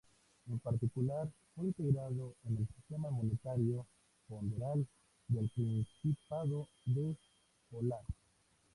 En particular, fue integrado en el sistema monetario-ponderal del Principado de Pólatsk.